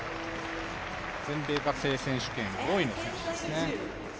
全米学生選手権４位の選手ですね。